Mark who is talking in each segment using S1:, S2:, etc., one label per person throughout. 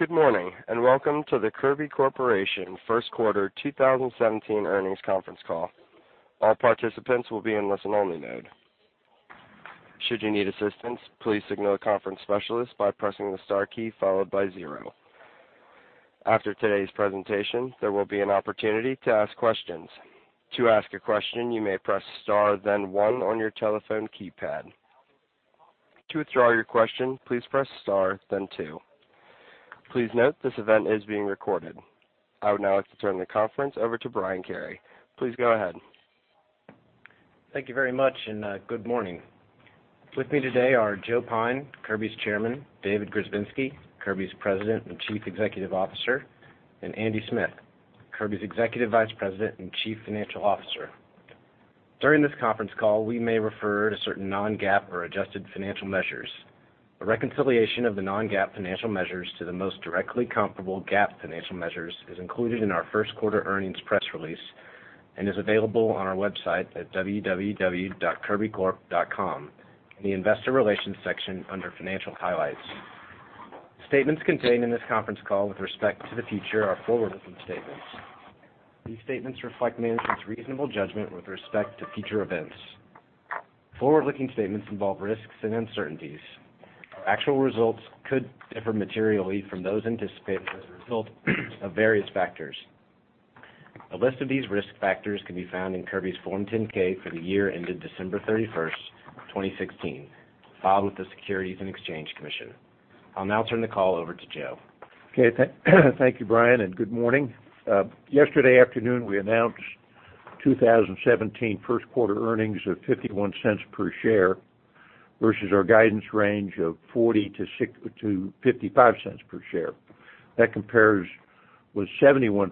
S1: Good morning, and welcome to the Kirby Corporation Q1 2017 Earnings Conference Call. All participants will be in listen-only mode. Should you need assistance, please signal a conference specialist by pressing the star key followed by zero. After today's presentation, there will be an opportunity to ask questions. To ask a question, you may press Star, then One on your telephone keypad. To withdraw your question, please press Star, then Two. Please note, this event is being recorded. I would now like to turn the conference over to Brian Carey. Please go ahead.
S2: Thank you very much, and good morning. With me today are Joe Pyne, Kirby's Chairman; David Grzebinski, Kirby's President and Chief Executive Officer; and Andy Smith, Kirby's Executive Vice President and Chief Financial Officer. During this conference call, we may refer to certain non-GAAP or adjusted financial measures. A reconciliation of the non-GAAP financial measures to the most directly comparable GAAP financial measures is included in our Q1 earnings press release and is available on our website at www.kirbycorp.com, in the Investor Relations section under Financial Highlights. Statements contained in this conference call with respect to the future are forward-looking statements. These statements reflect management's reasonable judgment with respect to future events. Forward-looking statements involve risks and uncertainties. Actual results could differ materially from those anticipated as a result of various factors. A list of these risk factors can be found in Kirby's Form 10-K for the year ended December 31st, 2016, filed with the Securities and Exchange Commission. I'll now turn the call over to Joe.
S3: Okay, thank you, Brian, and good morning. Yesterday afternoon, we announced our 2017 Q1 earnings of $0.51 per share, versus our guidance range of $0.40-$0.65 per share. That compares with $0.71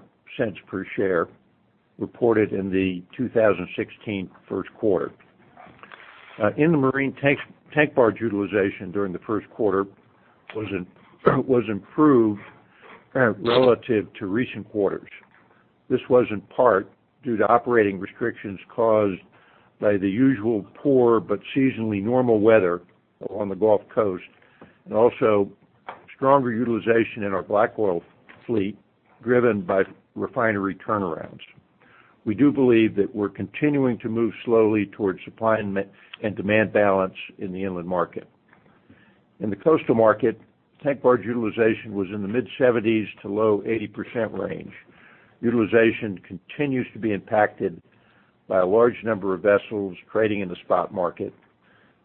S3: per share reported in the 2016 Q1. In the marine tank barge utilization during the Q1 was improved relative to recent quarters. This was in part due to operating restrictions caused by the usual poor but seasonally normal weather on the Gulf Coast, and also stronger utilization in our black oil fleet, driven by refinery turnarounds. We do believe that we're continuing to move slowly towards supply and demand balance in the inland market. In the coastal market, tank barge utilization was in the mid-70s to low 80% range. Utilization continues to be impacted by a large number of vessels trading in the spot market,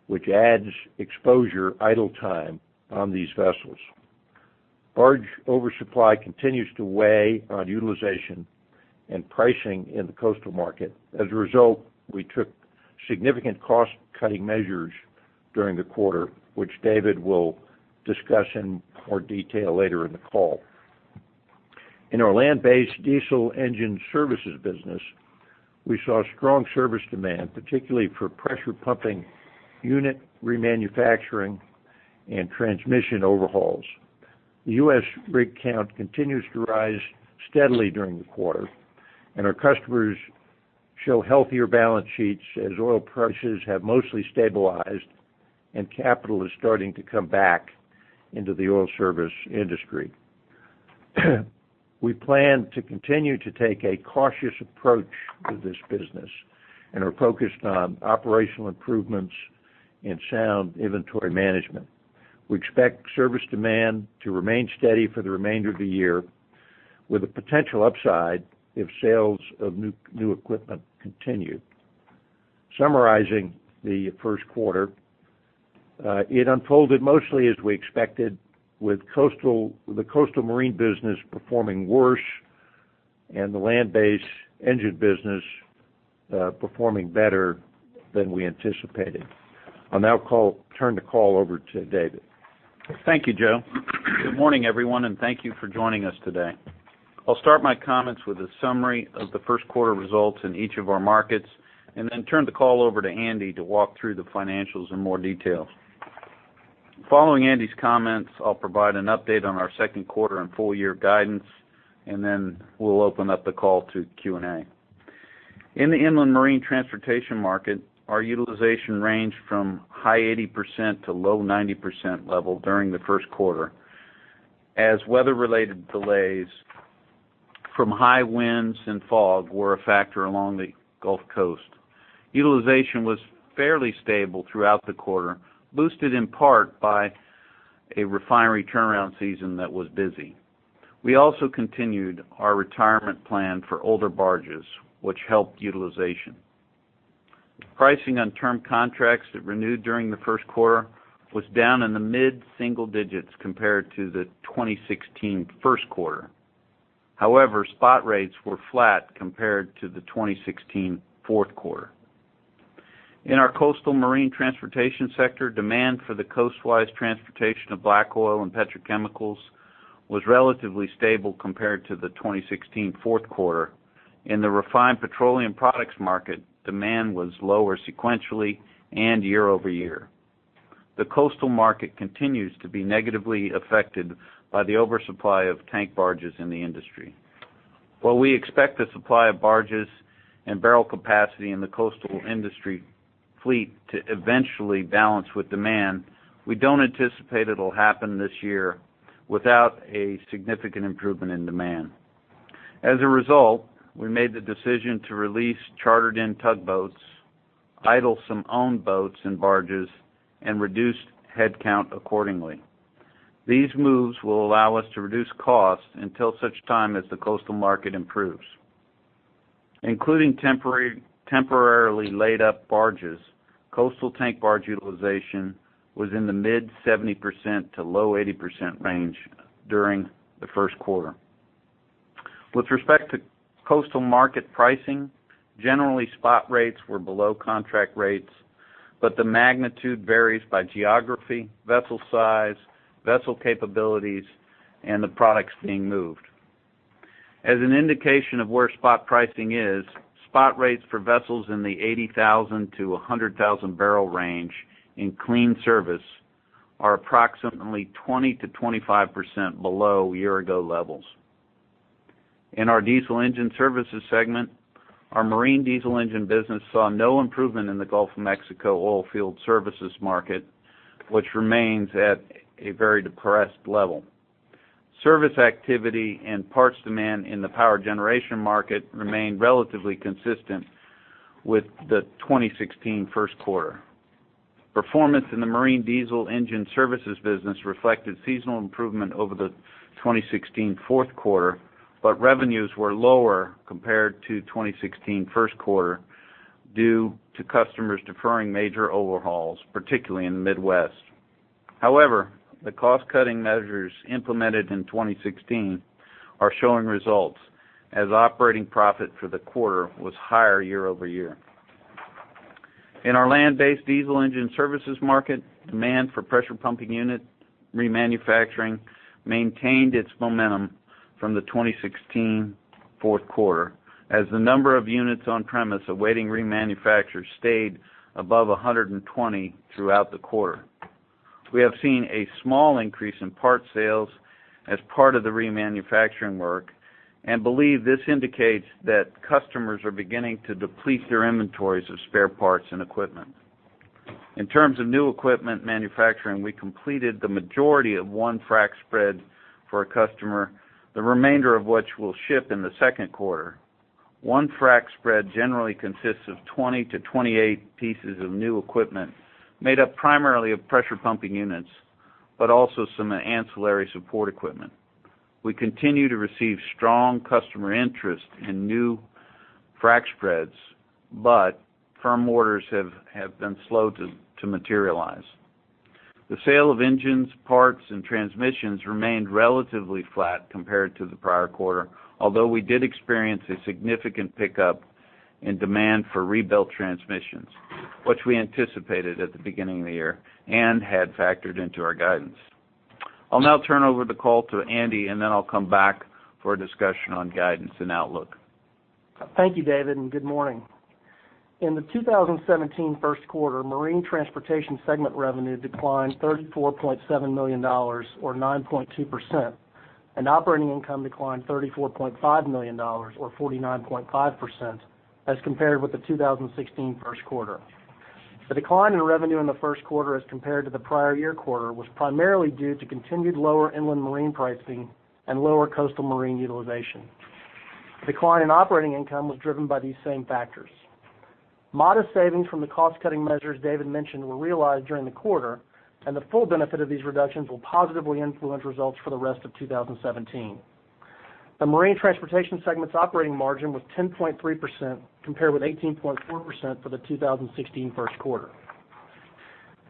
S3: which adds exposure idle time on these vessels. Barge oversupply continues to weigh on utilization and pricing in the coastal market. As a result, we took significant cost-cutting measures during the quarter, which David will discuss in more detail later in the call. In our land-based diesel engine services business, we saw strong service demand, particularly for pressure pumping, unit remanufacturing, and transmission overhauls. The U.S. rig count continues to rise steadily during the quarter, and our customers show healthier balance sheets as oil prices have mostly stabilized and capital is starting to come back into the oil service industry. We plan to continue to take a cautious approach to this business and are focused on operational improvements and sound inventory management. We expect service demand to remain steady for the remainder of the year, with a potential upside if sales of new equipment continue. Summarizing the Q1, it unfolded mostly as we expected, with the coastal marine business performing worse and the land-based engine business performing better than we anticipated. I'll now turn the call over to David.
S4: Thank you, Joe. Good morning, everyone, and thank you for joining us today. I'll start my comments with a summary of the Q1 results in each of our markets, and then turn the call over to Andy to walk through the financials in more detail. Following Andy's comments, I'll provide an update on our Q2 and full year guidance, and then we'll open up the call to Q&A. In the inland marine transportation market, our utilization ranged from high 80% to low 90% level during the Q1, as weather-related delays from high winds and fog were a factor along the Gulf Coast. Utilization was fairly stable throughout the quarter, boosted in part by a refinery turnaround season that was busy. We also continued our retirement plan for older barges, which helped utilization. Pricing on term contracts that renewed during the Q1 was down in the mid-single digits compared to the 2016 Q1. However, spot rates were flat compared to the 2016 Q4. In our coastal marine transportation sector, demand for the coastwise transportation of black oil and petrochemicals was relatively stable compared to the 2016 Q4. In the refined petroleum products market, demand was lower sequentially and year-over-year. The coastal market continues to be negatively affected by the oversupply of tank barges in the industry. While we expect the supply of barges and barrel capacity in the coastal industry fleet to eventually balance with demand, we don't anticipate it'll happen this year without a significant improvement in demand. As a result, we made the decision to release chartered-in tugboats, idle some owned boats and barges, and reduced headcount accordingly. These moves will allow us to reduce costs until such time as the coastal market improves. Including temporary, temporarily laid-up barges, coastal tank barge utilization was in the mid-70% to low 80% range during the Q1. With respect to coastal market pricing, generally, spot rates were below contract rates, but the magnitude varies by geography, vessel size, vessel capabilities, and the products being moved. As an indication of where spot pricing is, spot rates for vessels in the 80,000- to 100,000-barrel range in clean service are approximately 20%-25% below year-ago levels. In our Diesel Engine Services Segment, our marine diesel engine business saw no improvement in the Gulf of Mexico oilfield services market, which remains at a very depressed level. Service activity and parts demand in the power generation market remained relatively consistent with the 2016 Q1. Performance in the marine diesel engine services business reflected seasonal improvement over the 2016 Q4, but revenues were lower compared to 2016 Q1 due to customers deferring major overhauls, particularly in the Midwest. However, the cost-cutting measures implemented in 2016 are showing results, as operating profit for the quarter was higher year-over-year. In our land-based diesel engine services market, demand for pressure pumping unit remanufacturing maintained its momentum from the 2016 Q4, as the number of units on premises awaiting remanufacture stayed above 120 throughout the quarter. We have seen a small increase in parts sales as part of the remanufacturing work and believe this indicates that customers are beginning to deplete their inventories of spare parts and equipment. In terms of new equipment manufacturing, we completed the majority of one frac spread for a customer, the remainder of which will ship in the Q2. One frac spread generally consists of 20-28 pieces of new equipment, made up primarily of pressure pumping units, but also some ancillary support equipment. We continue to receive strong customer interest in new frac spreads, but firm orders have been slow to materialize. The sale of engines, parts, and transmissions remained relatively flat compared to the prior quarter, although we did experience a significant pickup in demand for rebuilt transmissions, which we anticipated at the beginning of the year and had factored into our guidance. I'll now turn over the call to Andy, and then I'll come back for a discussion on guidance and outlook.
S5: Thank you, David, and good morning. In the 2017 Q1, Marine Transportation segment revenue declined $34.7 million or 9.2%, and operating income declined $34.5 million or 49.5% as compared with the 2016 Q1. The decline in revenue in the Q1 as compared to the prior year quarter was primarily due to continued lower inland marine pricing and lower coastal marine utilization. Decline in operating income was driven by these same factors. Modest savings from the cost-cutting measures David mentioned were realized during the quarter, and the full benefit of these reductions will positively influence results for the rest of 2017. The Marine Transportation segment's operating margin was 10.3%, compared with 18.4% for the 2016 Q1.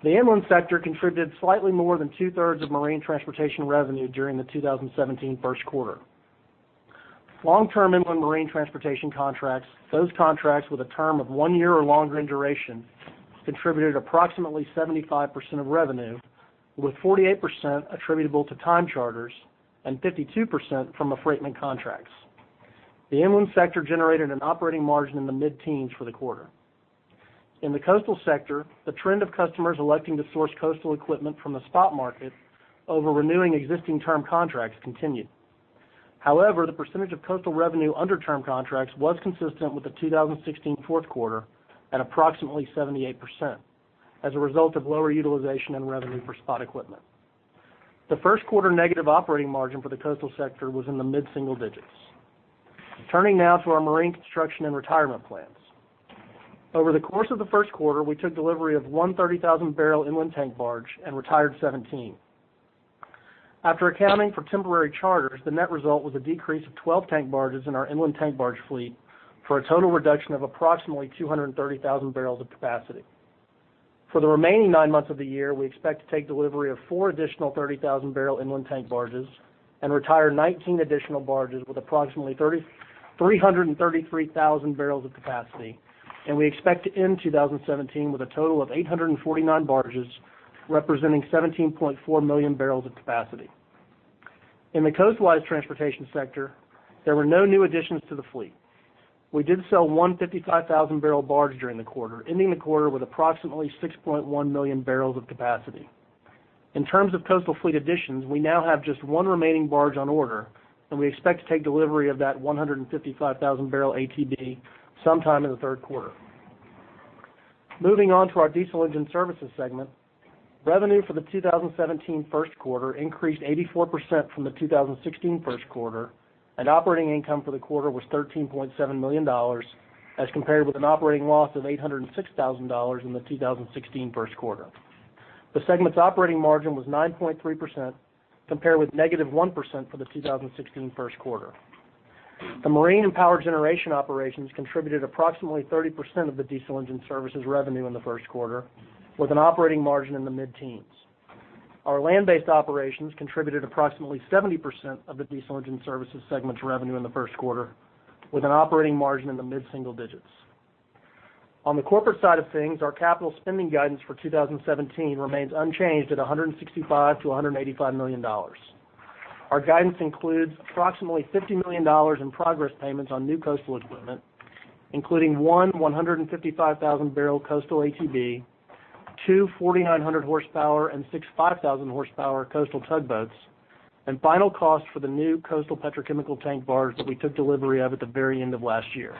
S5: The inland sector contributed slightly more than two-thirds of Marine Transportation revenue during the 2017 Q1. Long-term inland marine transportation contracts, those contracts with a term of one year or longer in duration, contributed approximately 75% of revenue, with 48% attributable to time charters and 52% from the affreightment contracts. The inland sector generated an operating margin in the mid-teens for the quarter. In the coastal sector, the trend of customers electing to source coastal equipment from the spot market over renewing existing term contracts continued. However, the percentage of coastal revenue under term contracts was consistent with the 2016 Q4 at approximately 78%, as a result of lower utilization and revenue for spot equipment. The Q1 negative operating margin for the coastal sector was in the mid-single digits. Turning now to our marine construction and retirement plans. Over the course of the Q1, we took delivery of one 30,000-barrel inland tank barge and retired 17. After accounting for temporary charters, the net result was a decrease of 12 tank barges in our inland tank barge fleet for a total reduction of approximately 230,000 barrels of capacity. For the remaining nine months of the year, we expect to take delivery of four additional 30,000-barrel inland tank barges and retire 19 additional barges with approximately 3,333,000 barrels of capacity, and we expect to end 2017 with a total of 849 barges, representing 17.4 million barrels of capacity. In the coastwise transportation sector, there were no new additions to the fleet. We did sell 155,000-barrel barge during the quarter, ending the quarter with approximately 6.1 million barrels of capacity. In terms of coastal fleet additions, we now have just one remaining barge on order, and we expect to take delivery of that 155,000-barrel ATB sometime in the Q3. Moving on to our Diesel Engine Services Segment, revenue for the 2017 Q1 increased 84% from the 2016 Q1, and operating income for the quarter was $13.7 million, as compared with an operating loss of $806,000 in the 2016 Q1. The segment's operating margin was 9.3%, compared with -1% for the 2016 Q1. The marine and power generation operations contributed approximately 30% of the diesel engine services revenue in the Q1, with an operating margin in the mid-teens. Our land-based operations contributed approximately 70% of the Diesel Engine Services Segment's revenue in the Q1, with an operating margin in the mid-single digits. On the corporate side of things, our capital spending guidance for 2017 remains unchanged at $165 million-$185 million. Our guidance includes approximately $50 million in progress payments on new coastal equipment, including one 155,000-barrel coastal ATB, two 4,900-horsepower, and six 5,000-horsepower coastal tugboats, and final costs for the new coastal petrochemical tank barge that we took delivery of at the very end of last year.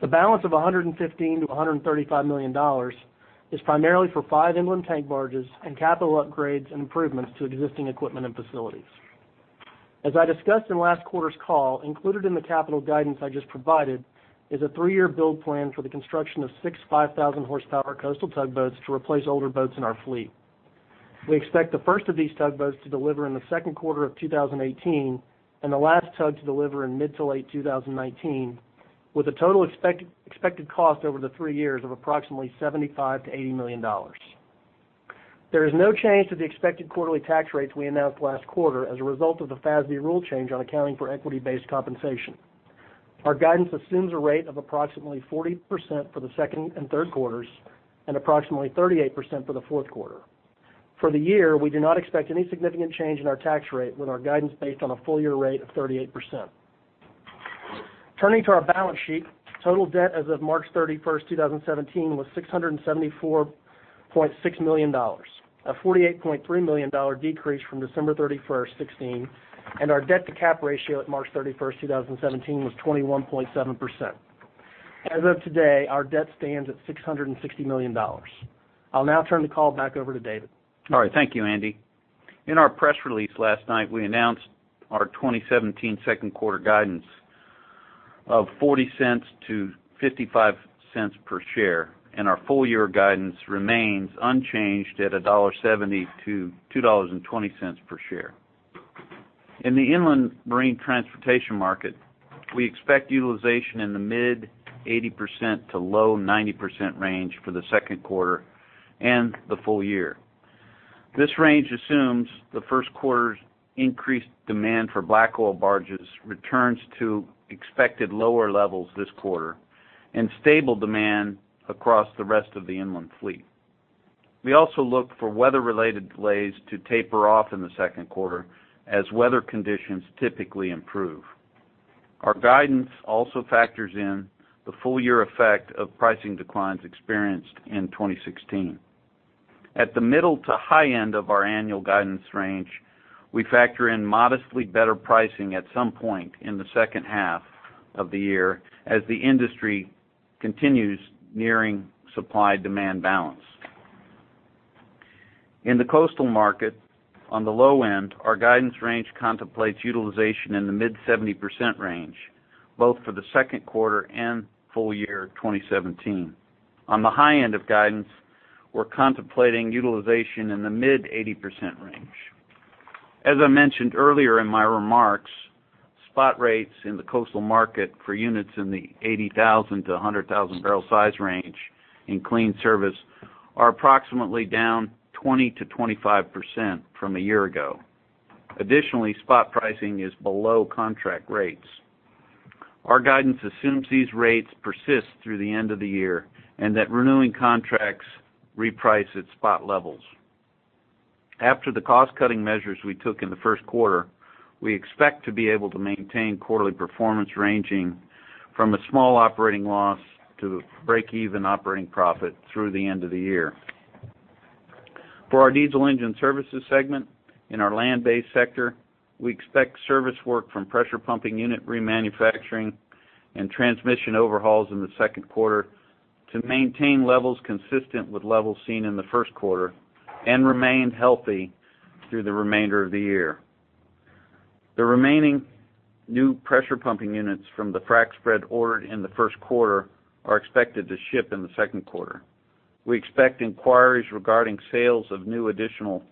S5: The balance of $115 million-$135 million is primarily for five inland tank barges and capital upgrades and improvements to existing equipment and facilities. As I discussed in last quarter's call, included in the capital guidance I just provided, is a three-year build plan for the construction of six 5,000-horsepower coastal tugboats to replace older boats in our fleet. We expect the first of these tugboats to deliver in the Q2 of 2018, and the last tug to deliver in mid to late 2019, with a total expected cost over the three years of approximately $75 million-$80 million. There is no change to the expected quarterly tax rates we announced last quarter as a result of the FASB rule change on accounting for equity-based compensation. Our guidance assumes a rate of approximately 40% for the second and Q3 and approximately 38% for the Q4. For the year, we do not expect any significant change in our tax rate, with our guidance based on a full year rate of 38%. Turning to our balance sheet, total debt as of March 31, 2017, was $674.6 million, a $48.3 million decrease from December 31, 2016, and our debt-to-cap ratio at March 31, 2017, was 21.7%. As of today, our debt stands at $660 million. I'll now turn the call back over to David.
S4: All right. Thank you, Andy. In our press release last night, we announced our 2017 Q2 guidance of $0.40-$0.55 per share, and our full year guidance remains unchanged at $1.70-$2.20 per share. In the inland marine transportation market, we expect utilization in the mid-80% to low 90% range for the Q2 and the full year. This range assumes the Q1's increased demand for black oil barges returns to expected lower levels this quarter and stable demand across the rest of the inland fleet. We also look for weather-related delays to taper off in the Q2 as weather conditions typically improve. Our guidance also factors in the full year effect of pricing declines experienced in 2016. At the middle to high end of our annual guidance range, we factor in modestly better pricing at some point in the second half of the year as the industry continues nearing supply-demand balance. In the coastal market, on the low end, our guidance range contemplates utilization in the mid-70% range, both for the Q2 and full year 2017. On the high end of guidance, we're contemplating utilization in the mid-80% range. As I mentioned earlier in my remarks, spot rates in the coastal market for units in the 80,000-100,000 barrel size range in clean service are approximately down 20%-25% from a year ago. Additionally, spot pricing is below contract rates. Our guidance assumes these rates persist through the end of the year, and that renewing contracts reprice at spot levels. After the cost-cutting measures we took in the Q1, we expect to be able to maintain quarterly performance ranging from a small operating loss to break-even operating profit through the end of the year. For our diesel engine services segment in our land-based sector, we expect service work from pressure pumping unit remanufacturing and transmission overhauls in the Q2 to maintain levels consistent with levels seen in the Q1 and remain healthy through the remainder of the year. The remaining new pressure pumping units from the frac spread ordered in the Q1 are expected to ship in the Q2. We expect inquiries regarding sales of new additional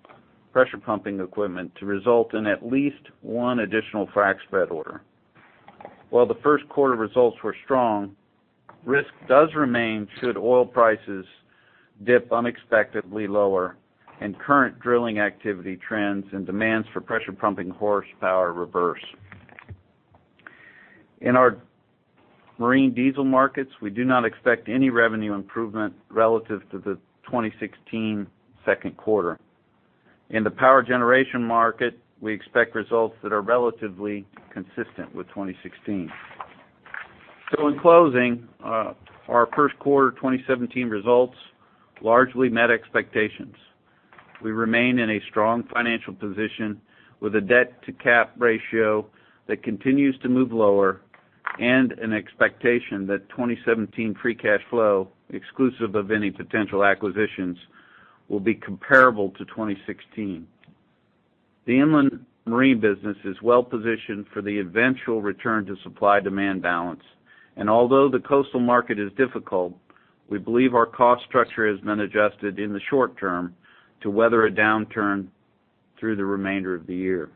S4: pressure pumping equipment to result in at least one additional frac spread order. While the Q1 results were strong, risk does remain should oil prices dip unexpectedly lower and current drilling activity trends and demands for pressure pumping horsepower reverse. In our marine diesel markets, we do not expect any revenue improvement relative to the 2016 Q2. In the power generation market, we expect results that are relatively consistent with 2016.... So in closing, our Q1 2017 results largely met expectations. We remain in a strong financial position with a debt-to-cap ratio that continues to move lower and an expectation that 2017 free cash flow, exclusive of any potential acquisitions, will be comparable to 2016. The inland marine business is well positioned for the eventual return to supply-demand balance. And although the coastal market is difficult, we believe our cost structure has been adjusted in the short term to weather a downturn through the remainder of the year.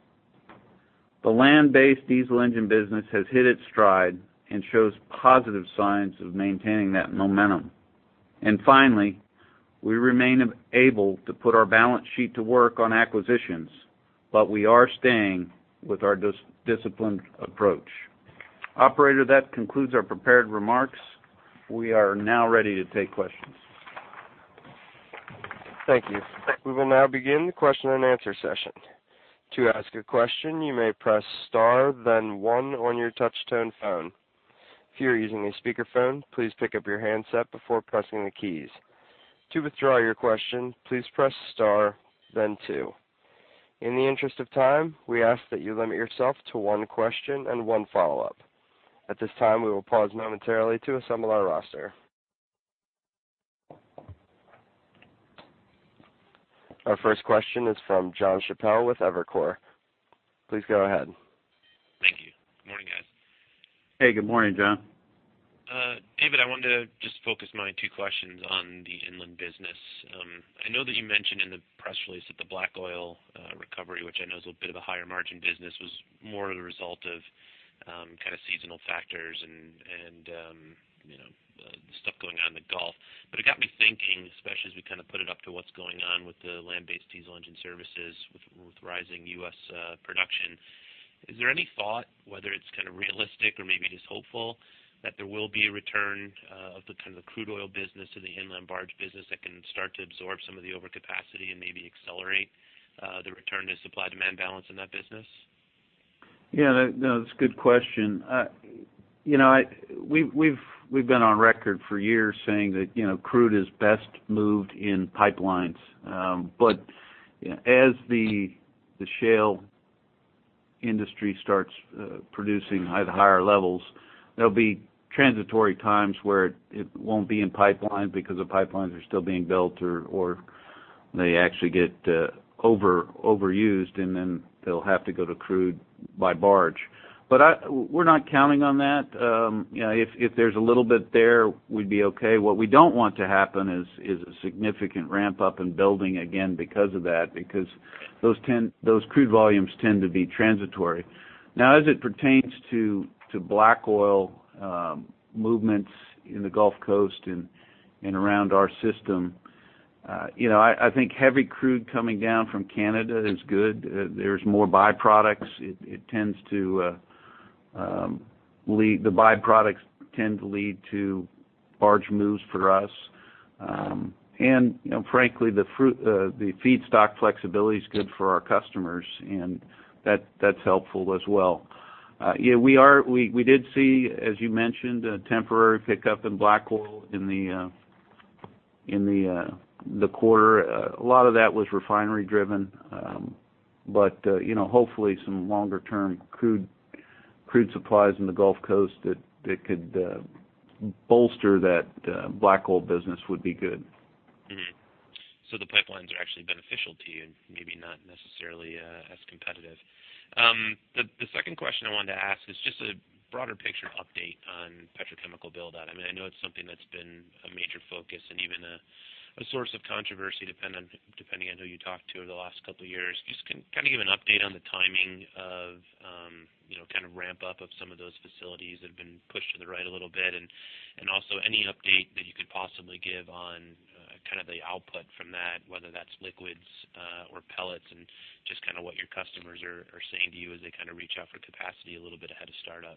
S4: The land-based diesel engine business has hit its stride and shows positive signs of maintaining that momentum. And finally, we remain able to put our balance sheet to work on acquisitions, but we are staying with our disciplined approach. Operator, that concludes our prepared remarks. We are now ready to take questions.
S1: Thank you. We will now begin the question-and-answer session. To ask a question, you may press star, then one on your touchtone phone. If you are using a speakerphone, please pick up your handset before pressing the keys. To withdraw your question, please press star, then two. In the interest of time, we ask that you limit yourself to one question and one follow-up. At this time, we will pause momentarily to assemble our roster. Our first question is from John Chappell with Evercore. Please go ahead.
S6: Thank you. Good morning, guys.
S4: Hey, good morning, Jon.
S6: David, I wanted to just focus my two questions on the inland business. I know that you mentioned in the press release that the black oil recovery, which I know is a bit of a higher margin business, was more of the result of kind of seasonal factors and you know stuff going on in the Gulf. But it got me thinking, especially as we kind of put it up to what's going on with the land-based diesel engine services, with rising U.S. production, is there any thought, whether it's kind of realistic or maybe just hopeful, that there will be a return of the kind of crude oil business to the inland barge business that can start to absorb some of the overcapacity and maybe accelerate the return to supply-demand balance in that business?
S4: Yeah, that's a good question. You know, we've been on record for years saying that, you know, crude is best moved in pipelines. But as the shale industry starts producing at higher levels, there'll be transitory times where it won't be in pipelines because the pipelines are still being built or they actually get overused, and then they'll have to go to crude by barge. But we're not counting on that. You know, if there's a little bit there, we'd be okay. What we don't want to happen is a significant ramp-up in building again because of that, because those crude volumes tend to be transitory. Now, as it pertains to black oil movements in the Gulf Coast and around our system, you know, I think heavy crude coming down from Canada is good. There's more byproducts. It tends to lead. The byproducts tend to lead to barge moves for us. And, you know, frankly, the feedstock flexibility is good for our customers, and that's helpful as well. Yeah, we did see, as you mentioned, a temporary pickup in black oil in the quarter. A lot of that was refinery driven, but you know, hopefully, some longer-term crude supplies in the Gulf Coast that could bolster that black oil business would be good.
S6: Mm-hmm. So the pipelines are actually beneficial to you, and maybe not necessarily as competitive. The second question I wanted to ask is just a broader picture update on petrochemical build-out. I mean, I know it's something that's been a major focus and even a source of controversy, depending on who you talk to over the last couple of years. Just kind of give an update on the timing of, you know, kind of ramp up of some of those facilities that have been pushed to the right a little bit. And also, any update that you could possibly give on kind of the output from that, whether that's liquids or pellets, and just kind of what your customers are saying to you as they kind of reach out for capacity a little bit ahead of startup.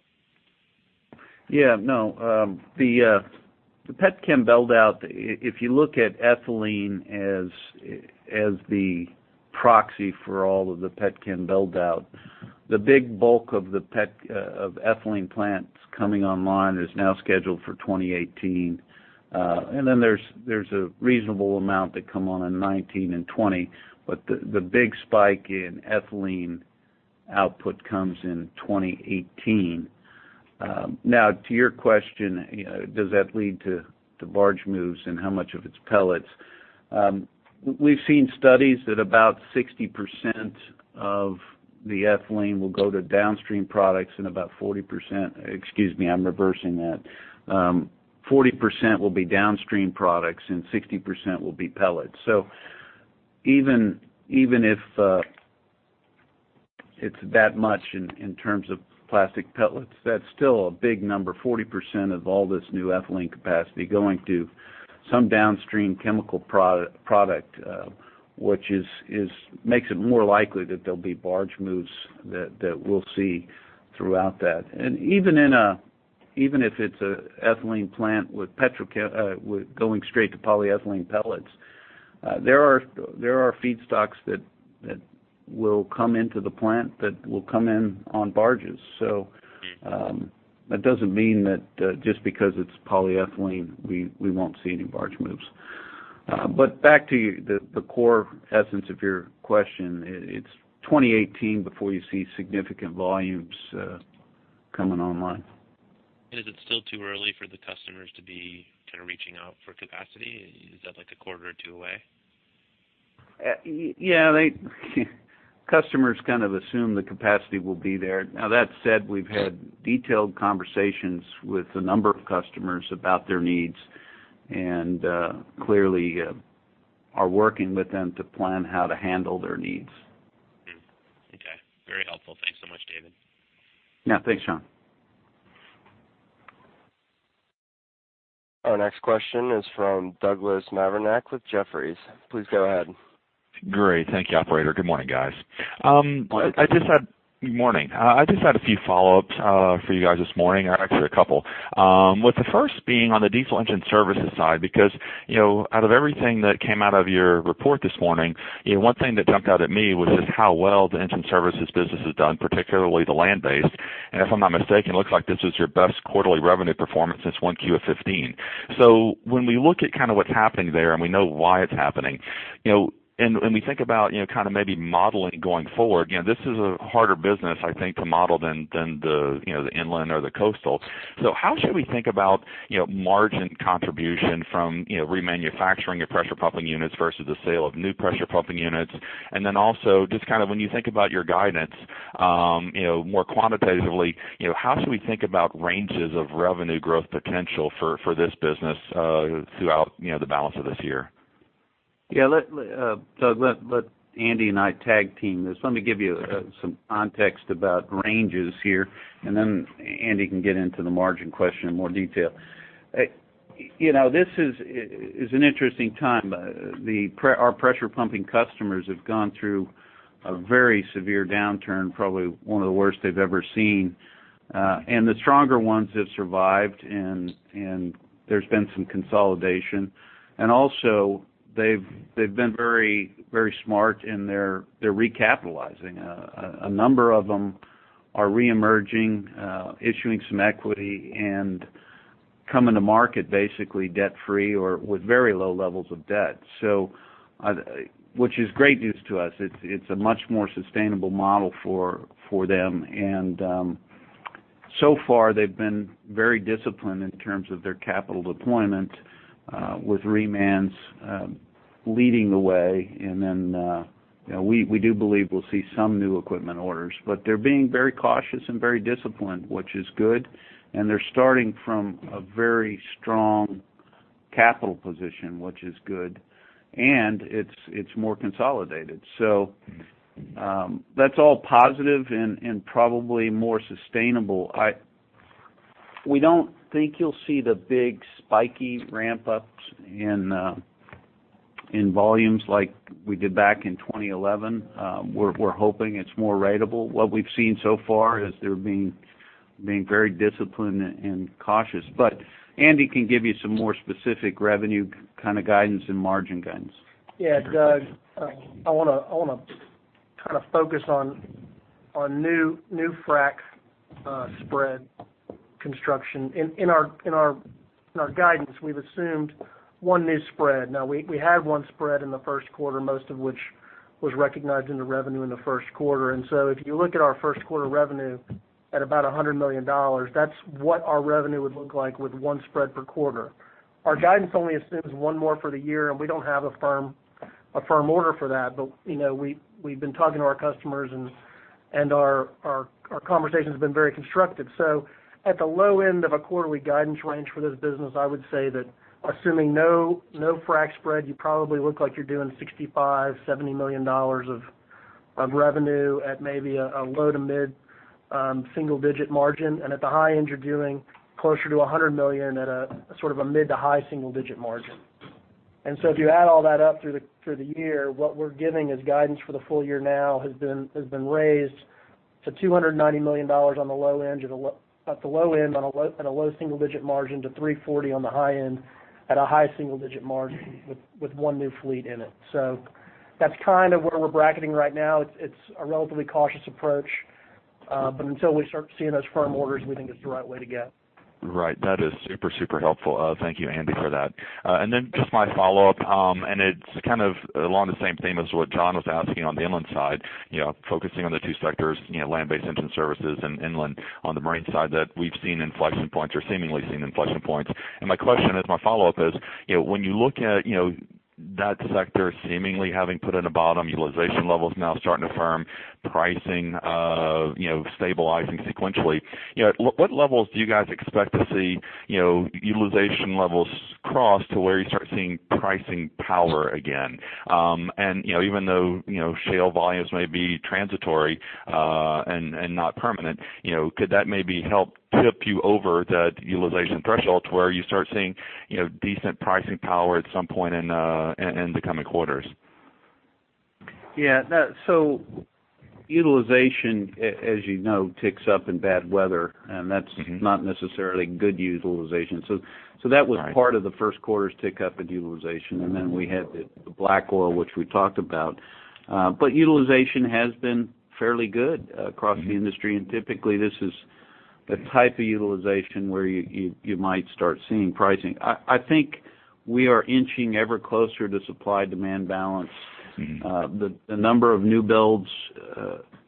S4: Yeah, no. The pet chem build-out, if you look at ethylene as the proxy for all of the pet chem build-out, the big bulk of the pet- of ethylene plants coming online is now scheduled for 2018. And then there's a reasonable amount that come on in 2019 and 2020, but the big spike in ethylene output comes in 2018. Now, to your question, you know, does that lead to barge moves and how much of it's pellets? We've seen studies that about 60% of the ethylene will go to downstream products and about 40%-- excuse me, I'm reversing that. 40% will be downstream products, and 60% will be pellets. So even, even if it's that much in terms of plastic pellets, that's still a big number, 40% of all this new ethylene capacity going to some downstream chemical product, which is, makes it more likely that there'll be barge moves that we'll see throughout that. And even in a, even if it's an ethylene plant with petrochemical, with going straight to polyethylene pellets. There are feedstocks that will come into the plant, that will come in on barges. So, that doesn't mean that just because it's polyethylene, we won't see any barge moves. But back to the core essence of your question, it's 2018 before you see significant volumes coming online.
S6: Is it still too early for the customers to be kind of reaching out for capacity? Is that like a quarter or two away?
S4: Yeah, the customers kind of assume the capacity will be there. Now, that said, we've had detailed conversations with a number of customers about their needs, and clearly are working with them to plan how to handle their needs.
S6: Okay. Very helpful. Thanks so much, David.
S4: Yeah, thanks, John.
S1: Our next question is from Douglas Mavrinac with Jefferies. Please go ahead.
S7: Great. Thank you, operator. Good morning, guys. I just had-
S4: Good morning.
S7: Good morning. I just had a few follow-ups for you guys this morning, or actually a couple. With the first being on the diesel engine services side, because, you know, out of everything that came out of your report this morning, you know, one thing that jumped out at me was just how well the engine services business has done, particularly the land-based. And if I'm not mistaken, it looks like this is your best quarterly revenue performance since 1Q of 2015. So when we look at kind of what's happening there, and we know why it's happening, you know, and we think about, you know, kind of maybe modeling going forward, you know, this is a harder business, I think, to model than the inland or the coastal. So how should we think about, you know, margin contribution from, you know, remanufacturing your pressure pumping units versus the sale of new pressure pumping units? And then also, just kind of when you think about your guidance, you know, more quantitatively, you know, how should we think about ranges of revenue growth potential for this business, throughout, you know, the balance of this year?
S4: Yeah, Doug, let Andy and I tag team this. Let me give you some context about ranges here, and then Andy can get into the margin question in more detail. You know, this is an interesting time. Our pressure pumping customers have gone through a very severe downturn, probably one of the worst they've ever seen. And the stronger ones have survived, and there's been some consolidation. And also, they've been very, very smart, and they're recapitalizing. A number of them are reemerging, issuing some equity and coming to market basically debt-free or with very low levels of debt. So, which is great news to us. It's a much more sustainable model for them. So far, they've been very disciplined in terms of their capital deployment, with remans leading the way. Then, you know, we do believe we'll see some new equipment orders, but they're being very cautious and very disciplined, which is good, and they're starting from a very strong capital position, which is good, and it's more consolidated. So, that's all positive and probably more sustainable. We don't think you'll see the big spiky ramp-ups in volumes like we did back in 2011. We're hoping it's more ratable. What we've seen so far is they're being very disciplined and cautious. But Andy can give you some more specific revenue kind of guidance and margin guidance.
S5: Yeah, Doug, I wanna, I wanna kind of focus on new frac spread construction. In our guidance, we've assumed one new spread. Now we had one spread in the Q1, most of which was recognized in the revenue in the Q1. And so if you look at our Q1 revenue at about $100 million, that's what our revenue would look like with one spread per quarter. Our guidance only assumes one more for the year, and we don't have a firm order for that. But, you know, we've been talking to our customers, and our conversations have been very constructive. So at the low end of a quarterly guidance range for this business, I would say that assuming no, no frac spread, you probably look like you're doing $65-$70 million of revenue at maybe a low- to mid-single-digit margin. And at the high end, you're doing closer to $100 million at a sort of a mid- to high-single-digit margin. And so if you add all that up through the year, what we're giving as guidance for the full year now has been raised to $290 million on the low end, at the low end, on a low-single-digit margin to $340 million on the high end, at a high-single-digit margin, with one new fleet in it. So that's kind of where we're bracketing right now. It's, it's a relatively cautious approach, but until we start seeing those firm orders, we think it's the right way to go.
S7: Right. That is super, super helpful. Thank you, Andy, for that. And then just my follow-up, and it's kind of along the same theme as what Jon was asking on the inland side, you know, focusing on the two sectors, you know, land-based engine services and inland on the marine side, that we've seen inflection points or seemingly seen inflection points. And my question is, my follow-up is, you know, when you look at, you know, that sector seemingly having put in a bottom, utilization levels now starting to firm, pricing, you know, stabilizing sequentially, you know, what levels do you guys expect to see, you know, utilization levels cross to where you start seeing pricing power again? You know, even though, you know, shale volumes may be transitory, and not permanent, you know, could that maybe help tip you over that utilization threshold to where you start seeing, you know, decent pricing power at some point in the coming quarters?...
S4: Yeah, that, so utilization, as you know, ticks up in bad weather, and that's- not necessarily good utilization. So, that was-
S7: Right
S4: part of the Q1's tick up in utilization. And then we had the black oil, which we talked about. But utilization has been fairly good across- - the industry, and typically, this is the type of utilization where you might start seeing pricing. I think we are inching ever closer to supply-demand balance. The number of new builds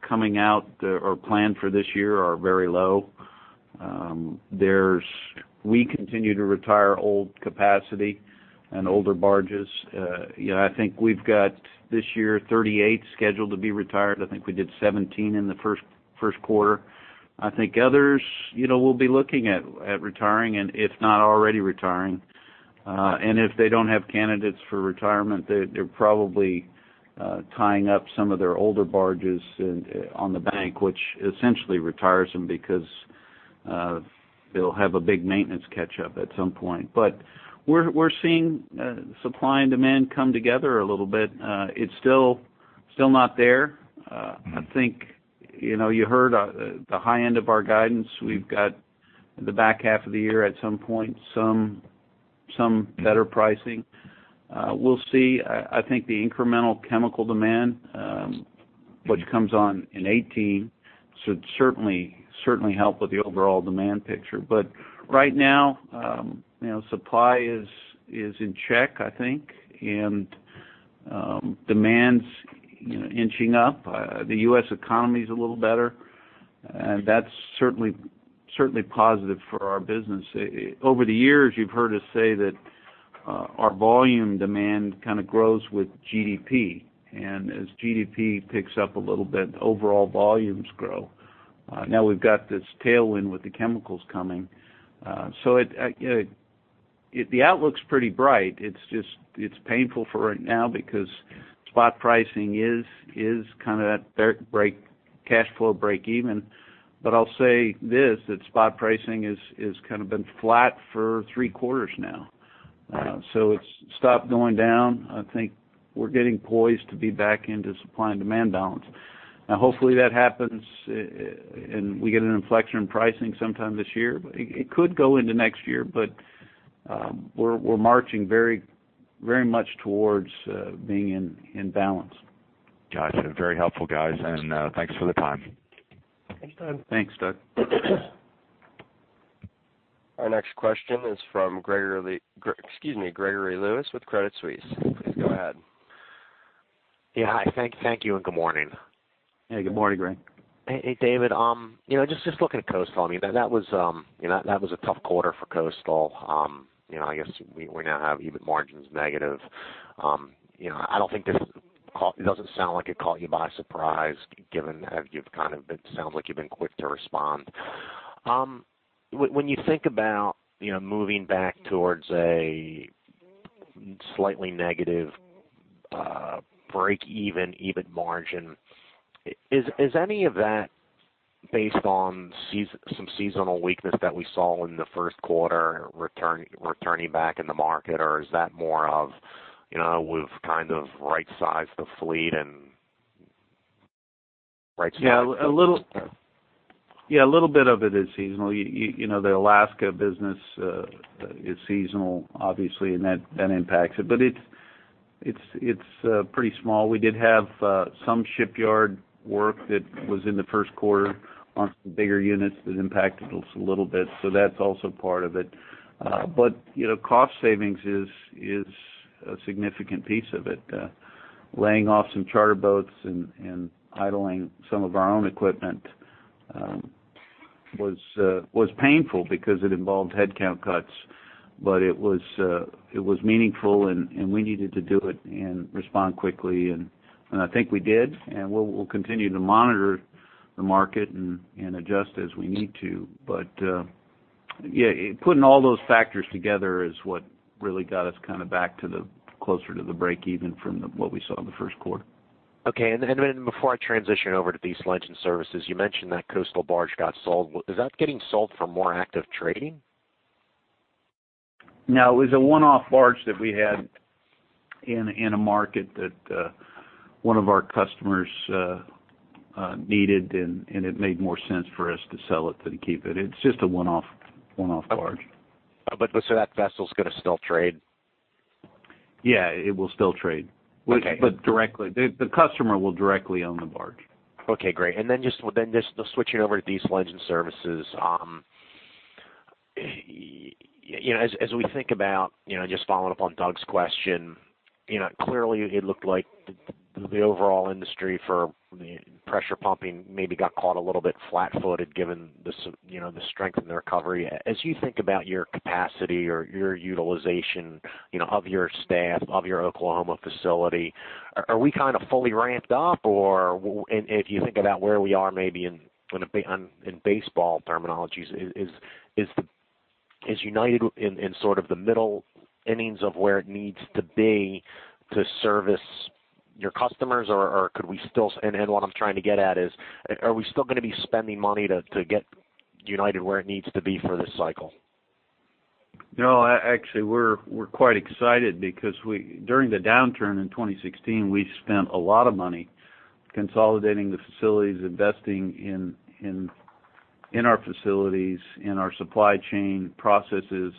S4: coming out or planned for this year are very low. We continue to retire old capacity and older barges. You know, I think we've got, this year, 38 scheduled to be retired. I think we did 17 in the Q1. I think others, you know, will be looking at retiring and if not already retiring. And if they don't have candidates for retirement, they're probably tying up some of their older barges and on the bank, which essentially retires them because they'll have a big maintenance catch up at some point. But we're seeing supply and demand come together a little bit. It's still not there. I think, you know, you heard the high end of our guidance. We've got the back half of the year at some point, some better pricing. We'll see. I think the incremental chemical demand, which comes on in 2018, should certainly help with the overall demand picture. But right now, you know, supply is in check, I think, and demand's, you know, inching up. The U.S. economy is a little better, and that's certainly positive for our business. Over the years, you've heard us say that our volume demand kind of grows with GDP, and as GDP picks up a little bit, overall volumes grow. Now we've got this tailwind with the chemicals coming. So it, you know, the outlook's pretty bright. It's just, it's painful right now because spot pricing is kind of at break-even cash flow breakeven. But I'll say this, that spot pricing is kind of been flat for three quarters now.
S7: Right.
S4: So it's stopped going down. I think we're getting poised to be back into supply and demand balance. Now, hopefully, that happens, and we get an inflection in pricing sometime this year. But it could go into next year, but, we're marching very, very much towards being in balance.
S7: Gotcha. Very helpful, guys, and, thanks for the time.
S4: Thanks, Doug.
S5: Thanks, Doug.
S1: Our next question is from Gregory, excuse me, Gregory Lewis with Credit Suisse. Please go ahead.
S8: Yeah. Hi, thank you, and good morning.
S4: Hey, good morning, Greg.
S8: Hey, hey, David. You know, just looking at Coastal. I mean, that was, you know, that was a tough quarter for Coastal. You know, I guess we now have EBIT margins negative. You know, I don't think this, it doesn't sound like it caught you by surprise, given that you've kind of, it sounds like you've been quick to respond. When you think about, you know, moving back towards a slightly negative, breakeven EBIT margin, is any of that based on some seasonal weakness that we saw in the Q1 returning back in the market, or is that more of, you know, we've kind of right-sized the fleet and right-sized it?
S4: Yeah, a little, yeah, a little bit of it is seasonal. You know, the Alaska business is seasonal, obviously, and that impacts it, but it's pretty small. We did have some shipyard work that was in the Q1 on some bigger units that impacted us a little bit, so that's also part of it. But you know, cost savings is a significant piece of it. Laying off some charter boats and idling some of our own equipment was painful because it involved headcount cuts. But it was meaningful, and we needed to do it and respond quickly, and I think we did. And we'll continue to monitor the market and adjust as we need to. But, yeah, putting all those factors together is what really got us kind of back to the, closer to the breakeven from what we saw in the Q1.
S8: Okay. And then, and before I transition over to diesel engine services, you mentioned that coastal barge got sold. Is that getting sold for more active trading?
S4: No, it was a one-off barge that we had in a market that one of our customers needed, and it made more sense for us to sell it than to keep it. It's just a one-off, one-off barge.
S8: But, so that vessel's gonna still trade?
S4: Yeah, it will still trade.
S8: Okay.
S4: The customer will directly own the barge.
S8: Okay, great. And then just switching over to diesel engine services. You know, as we think about, you know, just following up on Doug's question, you know, clearly, it looked like the overall industry for pressure pumping maybe got caught a little bit flat-footed, given you know, the strength in the recovery. As you think about your capacity or your utilization, you know, of your staff, of your Oklahoma facility, are we kind of fully ramped up, or and if you think about where we are maybe in baseball terminologies, is United in sort of the middle innings of where it needs to be to service your customers, or could we still... What I'm trying to get at is, are we still gonna be spending money to get United where it needs to be for this cycle?...
S4: No, actually, we're quite excited because we during the downturn in 2016, we spent a lot of money consolidating the facilities, investing in our facilities, in our supply chain processes.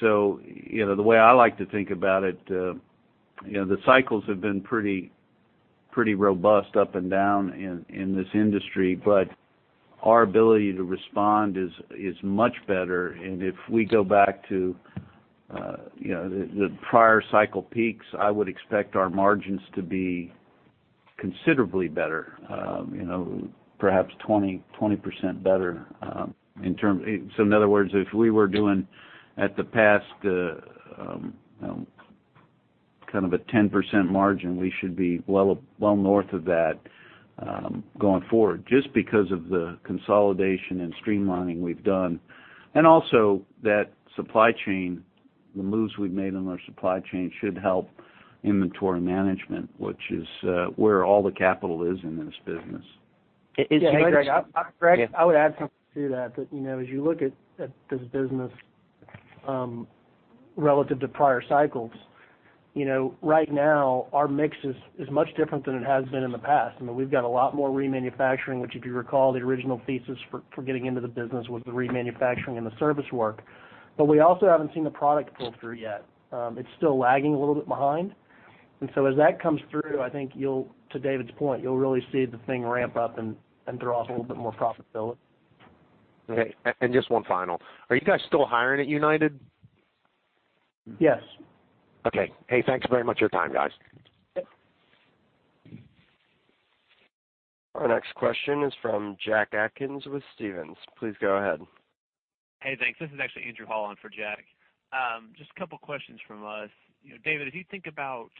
S4: So, you know, the way I like to think about it, you know, the cycles have been pretty robust up and down in this industry, but our ability to respond is much better. And if we go back to, you know, the prior cycle peaks, I would expect our margins to be considerably better, you know, perhaps 20-20% better. So in other words, if we were doing at the past, you know, kind of a 10% margin, we should be well north of that, going forward, just because of the consolidation and streamlining we've done. Also, that supply chain, the moves we've made on our supply chain should help inventory management, which is where all the capital is in this business.
S8: Is-
S5: Hey, Greg, I would add something to that. But, you know, as you look at this business relative to prior cycles, you know, right now, our mix is much different than it has been in the past. I mean, we've got a lot more remanufacturing, which, if you recall, the original thesis for getting into the business was the remanufacturing and the service work. But we also haven't seen the product pull through yet. It's still lagging a little bit behind. And so as that comes through, I think you'll... To David's point, you'll really see the thing ramp up and throw off a little bit more profitability.
S8: Okay, just one final. Are you guys still hiring at United?
S5: Yes.
S8: Okay. Hey, thanks very much for your time, guys.
S5: Yep.
S1: Our next question is from Jack Atkins with Stephens. Please go ahead.
S9: Hey, thanks. This is actually Andrew Hall in for Jack. Just a couple questions from us. You know, David, as you think about,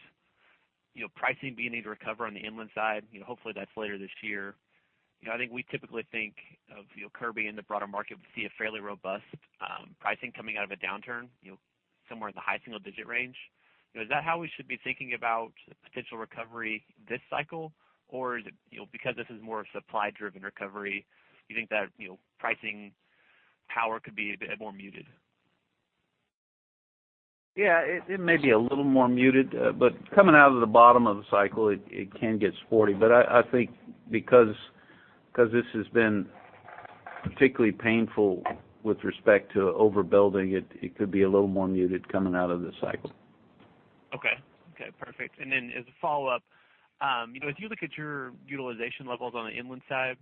S9: you know, pricing beginning to recover on the inland side, you know, hopefully that's later this year, you know, I think we typically think of, you know, Kirby in the broader market, we see a fairly robust pricing coming out of a downturn, you know, somewhere in the high single digit range. You know, is that how we should be thinking about potential recovery this cycle, or is it, you know, because this is more a supply-driven recovery, you know, pricing power could be a bit more muted?
S4: Yeah, it may be a little more muted, but coming out of the bottom of the cycle, it can get sporty. But I think because this has been particularly painful with respect to overbuilding it, it could be a little more muted coming out of this cycle.
S9: Okay. Okay, perfect. And then as a follow-up, you know, if you look at your utilization levels on the inland side,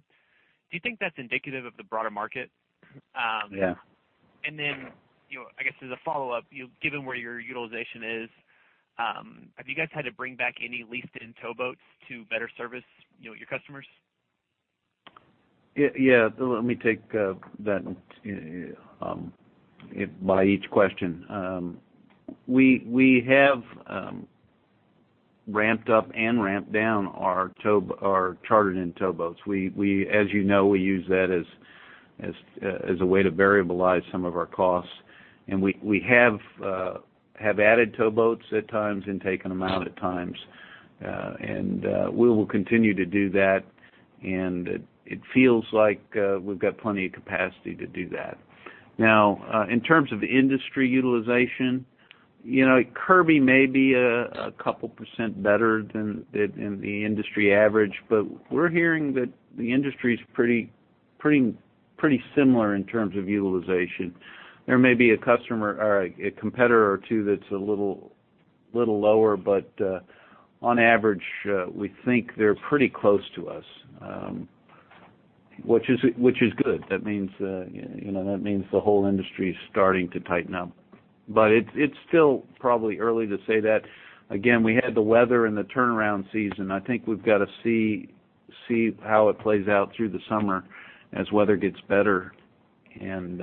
S9: do you think that's indicative of the broader market?
S4: Yeah.
S9: And then, you know, I guess as a follow-up, you know, given where your utilization is, have you guys had to bring back any leased-in towboats to better service, you know, your customers?
S4: Yeah, yeah. Let me take that by each question. We have ramped up and ramped down our chartered-in towboats. As you know, we use that as a way to variabilize some of our costs. We have added towboats at times and taken them out at times, and we will continue to do that, and it feels like we've got plenty of capacity to do that. Now, in terms of industry utilization, you know, Kirby may be a couple% better than the industry average, but we're hearing that the industry is pretty similar in terms of utilization. There may be a customer or a competitor or two that's a little, little lower, but, on average, we think they're pretty close to us, which is good. That means, you know, that means the whole industry is starting to tighten up. But it's still probably early to say that. Again, we had the weather and the turnaround season. I think we've got to see how it plays out through the summer as weather gets better, and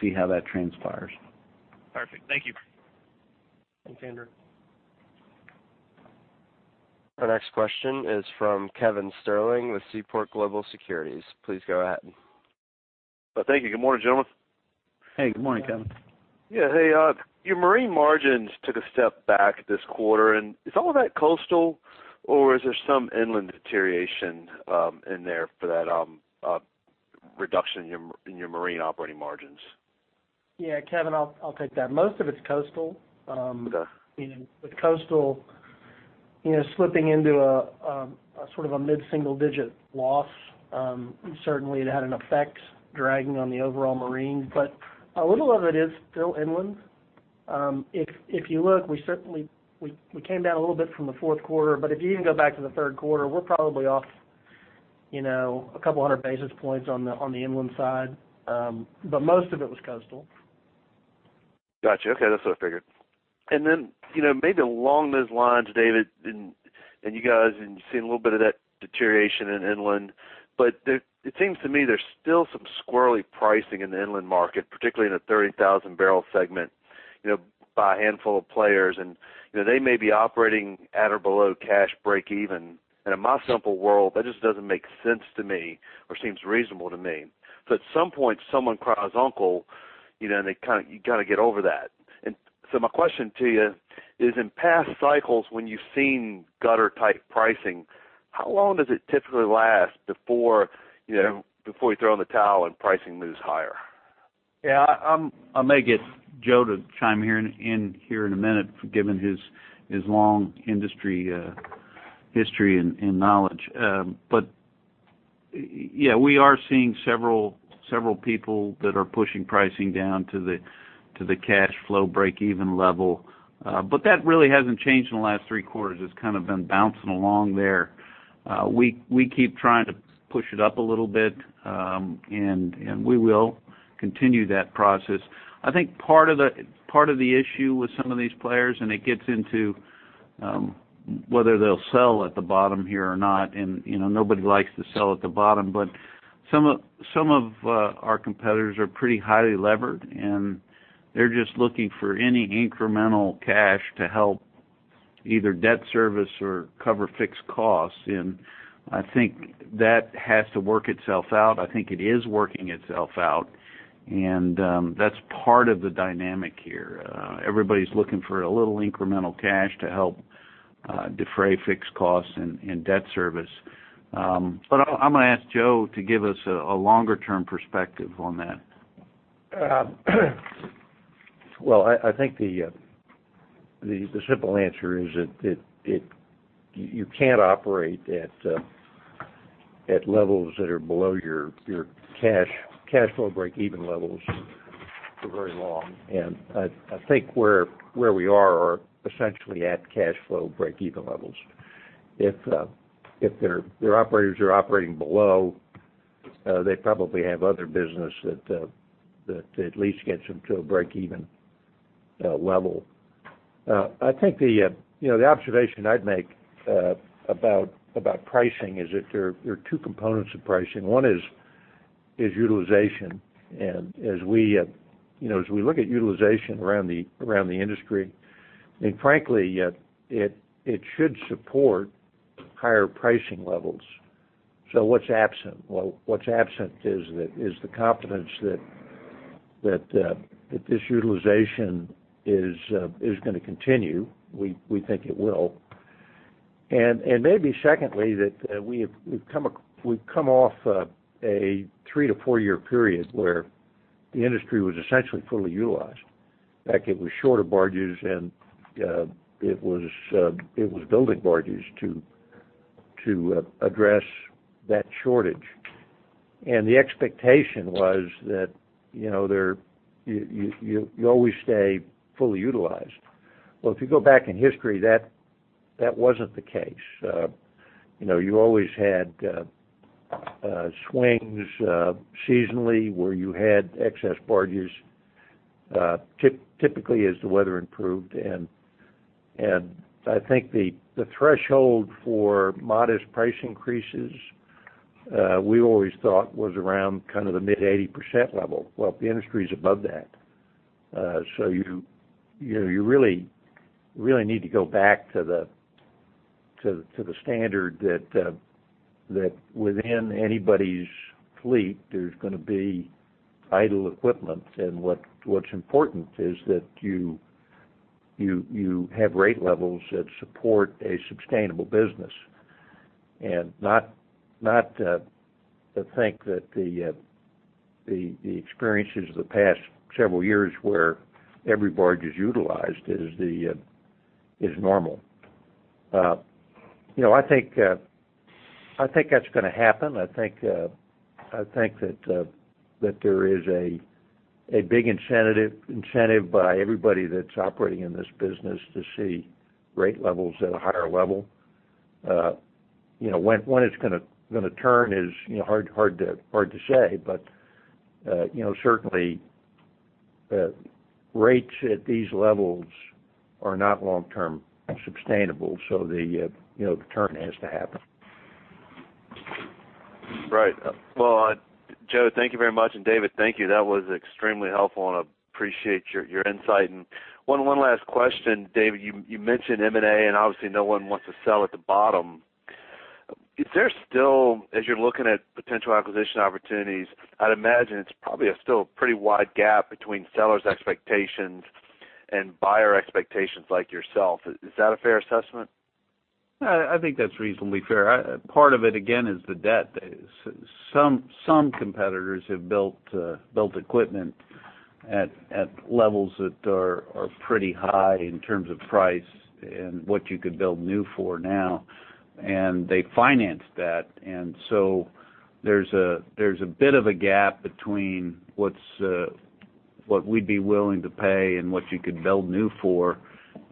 S4: see how that transpires.
S10: Perfect. Thank you.
S5: Thanks, [Andrew].
S1: Our next question is from Kevin Sterling with Seaport Global Securities. Please go ahead.
S11: Thank you. Good morning, gentlemen.
S4: Hey, good morning, Kevin.
S11: Yeah, hey, your marine margins took a step back this quarter, and is all of that coastal, or is there some inland deterioration in there for that reduction in your marine operating margins?
S4: Yeah, Kevin, I'll take that. Most of it's coastal.
S11: Okay.
S4: With coastal, you know, slipping into a sort of a mid-single-digit loss, certainly it had an effect dragging on the overall marine, but a little of it is still inland. If you look, we certainly—we came down a little bit from the Q4, but if you even go back to the Q3, we're probably off, you know, a couple hundred basis points on the inland side. But most of it was coastal.
S11: Gotcha. Okay, that's what I figured. And then, you know, maybe along those lines, David, and, and you guys, and you've seen a little bit of that deterioration in inland, but there—it seems to me there's still some squirrely pricing in the inland market, particularly in the 30,000-barrel segment, you know, by a handful of players. And, you know, they may be operating at or below cash breakeven. And in my simple world, that just doesn't make sense to me or seems reasonable to me. So at some point, someone cries uncle, you know, and they kind of—you gotta get over that.... And so my question to you is, in past cycles, when you've seen gutter-type pricing, how long does it typically last before, you know, before you throw in the towel and pricing moves higher?
S4: Yeah, I'm—I may get Joe to chime in here in a minute, given his long industry history and knowledge. But yeah, we are seeing several people that are pushing pricing down to the cash flow breakeven level. But that really hasn't changed in the last three quarters. It's kind of been bouncing along there. We keep trying to push it up a little bit, and we will continue that process. I think part of the issue with some of these players, and it gets into whether they'll sell at the bottom here or not, and you know, nobody likes to sell at the bottom. But some of our competitors are pretty highly levered, and they're just looking for any incremental cash to help either debt service or cover fixed costs. And I think that has to work itself out. I think it is working itself out, and that's part of the dynamic here. Everybody's looking for a little incremental cash to help defray fixed costs and debt service. But I'm gonna ask Joe to give us a longer-term perspective on that.
S3: Well, I think the simple answer is that it. You can't operate at levels that are below your cash flow breakeven levels for very long. And I think where we are is essentially at cash flow breakeven levels. If their operators are operating below, they probably have other business that at least gets them to a breakeven level. I think you know the observation I'd make about pricing is that there are two components of pricing. One is utilization. And as we, you know, as we look at utilization around the industry, I mean, frankly, it should support higher pricing levels. So what's absent? Well, what's absent is the confidence that this utilization is gonna continue. We think it will. And maybe secondly, that we have—we've come off a 3-4-year period where the industry was essentially fully utilized. In fact, it was short of barges, and it was building barges to address that shortage. And the expectation was that, you know, you always stay fully utilized. Well, if you go back in history, that wasn't the case. You know, you always had swings seasonally, where you had excess barges, typically as the weather improved. And I think the threshold for modest price increases, we always thought was around kind of the mid-80% level. Well, the industry is above that. So you know, you really need to go back to the standard that within anybody's fleet, there's gonna be idle equipment. And what's important is that you have rate levels that support a sustainable business, and not to think that the experiences of the past several years, where every barge is utilized, is normal. You know, I think that's gonna happen. I think that there is a big incentive by everybody that's operating in this business to see rate levels at a higher level. You know, when it's gonna turn is, you know, hard to say, but, you know, certainly rates at these levels are not long-term sustainable, so, you know, the turn has to happen.
S11: Right. Well, Joe, thank you very much, and David, thank you. That was extremely helpful, and I appreciate your insight. And one last question, David, you mentioned M&A, and obviously, no one wants to sell at the bottom. Is there still... as you're looking at potential acquisition opportunities, I'd imagine it's probably still a pretty wide gap between sellers' expectations and buyer expectations like yourself. Is that a fair assessment?
S4: I think that's reasonably fair. Part of it, again, is the debt. Some competitors have built equipment at levels that are pretty high in terms of price and what you could build new for now, and they financed that. And so there's a bit of a gap between what we'd be willing to pay and what you could build new for,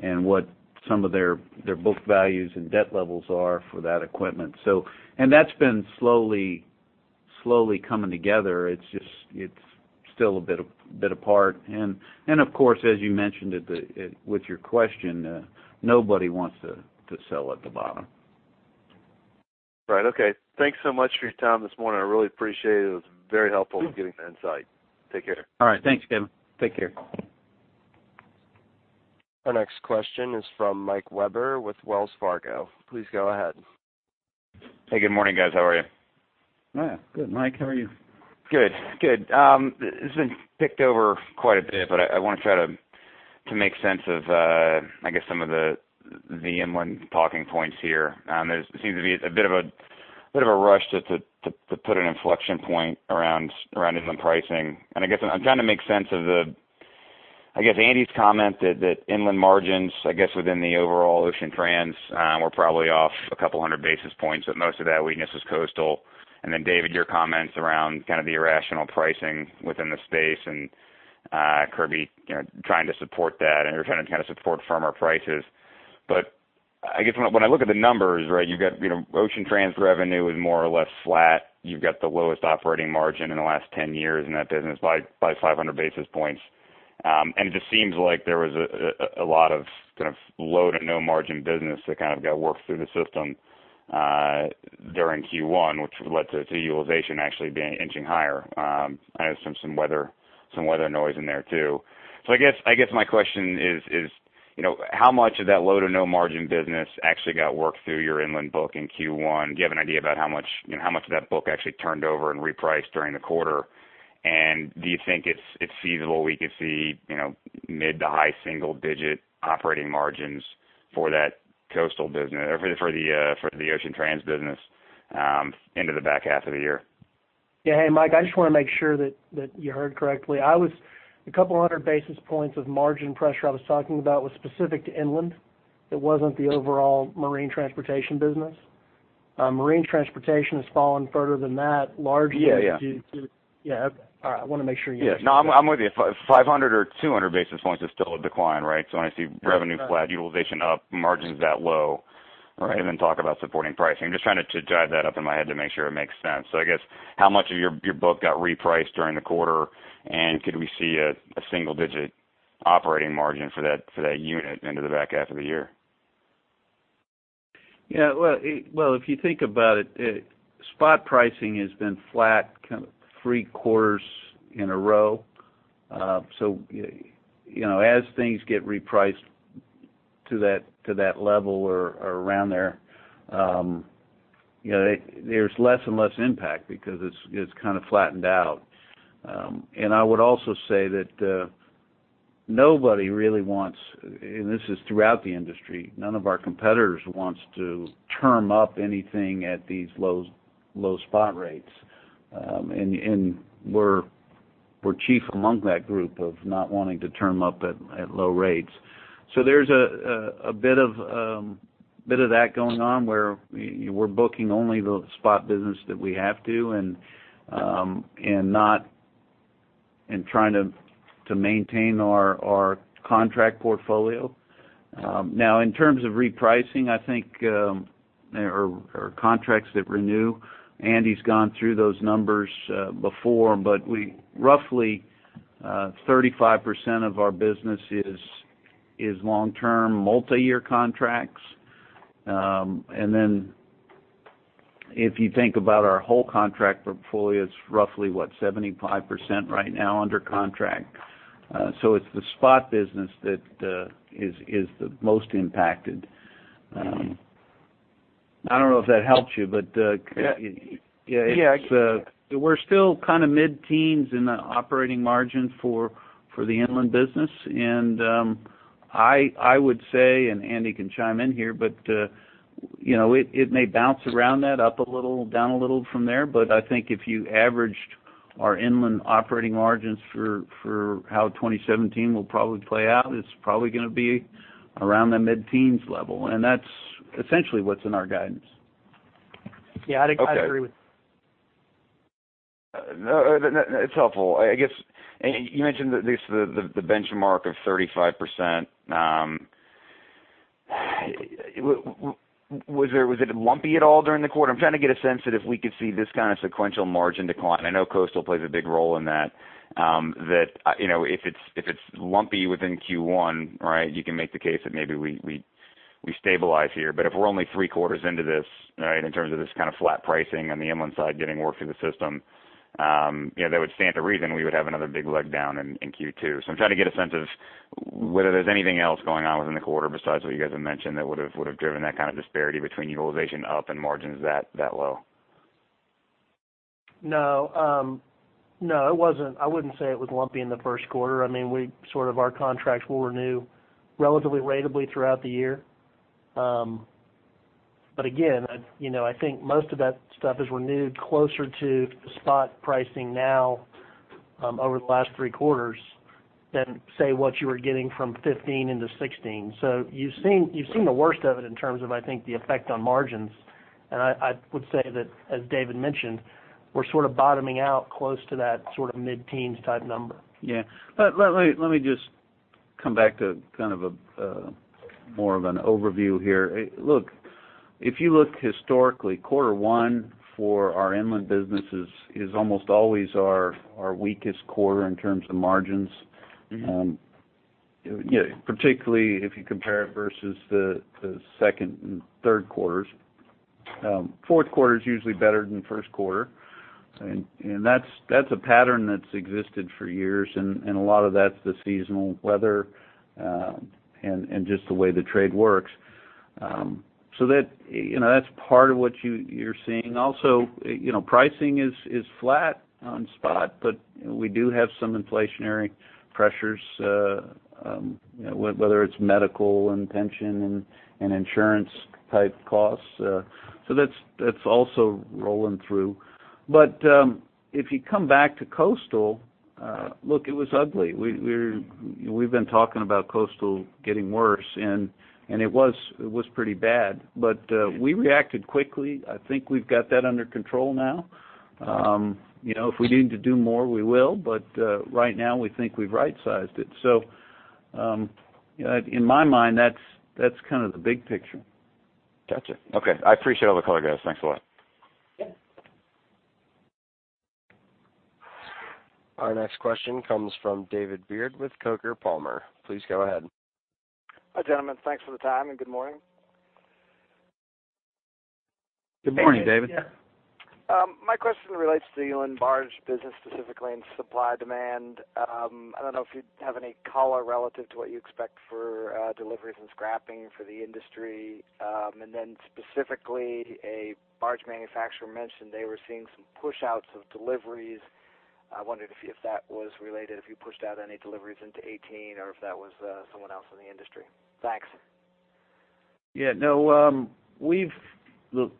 S4: and what some of their book values and debt levels are for that equipment. So and that's been slowly coming together. It's just, it's still a bit apart. And, of course, as you mentioned at the, with your question, nobody wants to sell at the bottom.
S11: Right. Okay. Thanks so much for your time this morning. I really appreciate it. It was very helpful getting the insight. Take care.
S4: All right. Thanks, Kevin. Take care.
S1: Our next question is from Mike Webber with Wells Fargo. Please go ahead....
S12: Hey, good morning, guys. How are you?
S4: Good, Mike, how are you?
S13: Good, good. It's been picked over quite a bit, but I want to try to make sense of some of the inland talking points here. There seems to be a bit of a rush to put an inflection point around inland pricing. And I guess I'm trying to make sense of the, I guess, Andy's comment that inland margins, I guess, within the overall Ocean Trans, were probably off 200 basis points, but most of that weakness was coastal. And then, David, your comments around kind of the irrational pricing within the space, and Kirby, you know, trying to support that, and you're trying to kind of support firmer prices. I guess when I look at the numbers, right, you've got, you know, Ocean Trans revenue is more or less flat. You've got the lowest operating margin in the last 10 years in that business by 500 basis points. And it just seems like there was a lot of kind of low to no margin business that got worked through the system during Q1, which led to utilization actually being inching higher. I know some weather noise in there, too. So I guess my question is, you know, how much of that low to no margin business actually got worked through your inland book in Q1? Do you have an idea about how much, you know, how much of that book actually turned over and repriced during the quarter? Do you think it's feasible we could see, you know, mid- to high-single-digit operating margins for that coastal business or for the Ocean Trans business into the back half of the year?
S4: Yeah. Hey, Mike, I just want to make sure that you heard correctly. A couple hundred basis points of margin pressure I was talking about was specific to inland. It wasn't the overall marine transportation business. Marine transportation has fallen further than that, largely due to- Yeah. All right, I want to make sure you-
S12: Yeah. No, I'm with you. 500 or 200 basis points is still a decline, right? So when I see revenue flat, utilization up, margins that low, right, and then talk about supporting pricing. I'm just trying to tie that up in my head to make sure it makes sense. So I guess, how much of your, your book got repriced during the quarter, and could we see a, a single digit operating margin for that, for that unit into the back half of the year?
S4: Yeah, well, if you think about it, spot pricing has been flat kind of three quarters in a row. So, you know, as things get repriced to that level or around there, you know, there's less and less impact because it's kind of flattened out. And I would also say that nobody really wants, and this is throughout the industry, none of our competitors wants to term up anything at these low spot rates. And we're chief among that group of not wanting to term up at low rates. So there's a bit of that going on, where we're booking only the spot business that we have to and trying to maintain our contract portfolio. Now, in terms of repricing, I think, or contracts that renew, Andy's gone through those numbers, before, but we roughly, 35% of our business is long-term, multiyear contracts. And then, if you think about our whole contract portfolio, it's roughly, what, 75% right now under contract. So it's the spot business that is the most impacted. I don't know if that helps you, but-
S12: Yeah.
S4: Yeah, it's, we're still kind of mid-teens in the operating margin for the inland business. And, I would say, and Andy can chime in here, but, you know, it may bounce around that up a little, down a little from there. But I think if you averaged our inland operating margins for how 2017 will probably play out, it's probably going to be around the mid-teens level, and that's essentially what's in our guidance. Yeah, I think-
S12: Okay.
S5: I agree with you.
S12: No, it's helpful. I guess you mentioned that this, the benchmark of 35%, was it lumpy at all during the quarter? I'm trying to get a sense that if we could see this kind of sequential margin decline. I know coastal plays a big role in that, that you know, if it's lumpy within Q1, right, you can make the case that maybe we stabilize here. But if we're only three quarters into this, right, in terms of this kind of flat pricing on the inland side, getting work through the system, you know, that would stand to reason we would have another big leg down in Q2. I'm trying to get a sense of whether there's anything else going on within the quarter besides what you guys have mentioned, that would've driven that kind of disparity between utilization up and margins that low.
S5: No. No, it wasn't. I wouldn't say it was lumpy in the Q1. I mean, we sort of, our contracts will renew relatively ratably throughout the year. But again, you know, I think most of that stuff is renewed closer to spot pricing now, over the last three quarters than, say, what you were getting from 2015 into 2016. So you've seen, you've seen the worst of it in terms of, I think, the effect on margins. And I, I would say that, as David mentioned, we're sort of bottoming out close to that sort of mid-teens type number.
S4: Yeah. Let me, let me just come back to kind of more of an overview here. Look, if you look historically, quarter one for our inland business is almost always our weakest quarter in terms of margins. Yeah, particularly if you compare it versus the second and Q3s. Q4 is usually better than Q1. And that's a pattern that's existed for years, and a lot of that's the seasonal weather, and just the way the trade works. So that, you know, that's part of what you're seeing. Also, you know, pricing is flat on spot, but, you know, we do have some inflationary pressures, whether it's medical and pension and insurance-type costs. So that's also rolling through. But if you come back to coastal, look, it was ugly. We've been talking about coastal getting worse, and it was pretty bad, but we reacted quickly. I think we've got that under control now. You know, if we need to do more, we will. But, right now, we think we've right-sized it. So, in my mind, that's, that's kind of the big picture.
S12: Gotcha. Okay, I appreciate all the color, guys. Thanks a lot.
S4: Yeah.
S1: Our next question comes from David Beard with Coker Palmer. Please go ahead.
S14: Hi, gentlemen. Thanks for the time, and good morning.
S4: Good morning, David.
S5: Yeah.
S14: My question relates to the inland barge business, specifically in supply-demand. I don't know if you have any color relative to what you expect for deliveries and scrapping for the industry. And then specifically, a barge manufacturer mentioned they were seeing some pushouts of deliveries. I wondered if that was related, if you pushed out any deliveries into 2018, or if that was someone else in the industry. Thanks.
S4: Yeah, no, we've. Look,